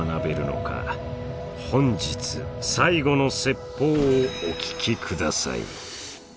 本日最後の説法をお聞きください。